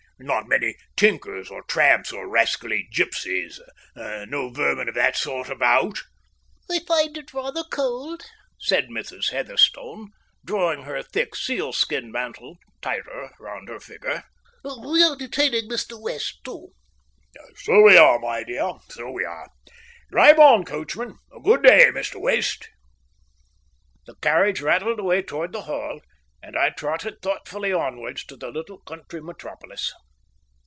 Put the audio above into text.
Not many tinkers or tramps or rascally gipsies no vermin of that sort about?" "I find it rather cold," said Mrs. Heatherstone, drawing her thick sealskin mantle tighter round her figure. "We are detaining Mr. West, too." "So we are, my dear, so we are. Drive on, coachman. Good day, Mr. West." The carriage rattled away towards the Hall, and I trotted thoughtfully onwards to the little country metropolis.